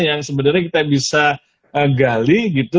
yang sebenarnya kita bisa gali gitu